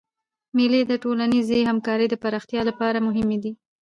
مېلې د ټولنیزي همکارۍ د پراختیا له پاره مهمي دي.